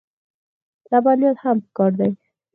لبنیات هم پکار دي.